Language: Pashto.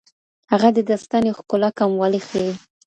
هغه د داستاني ښکلا کموالی ښيي.